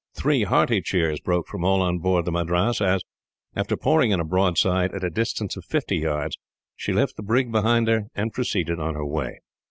Three hearty cheers broke from all on board the Madras as, after pouring in a broadside at a distance of fifty yards, she left the brig behind her, and proceeded on her way.